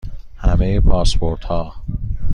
همه پاسپورت ها